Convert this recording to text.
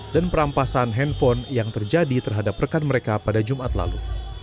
dan perampasan handphone yang terjadi terhadap rekan mereka pada jumat lalu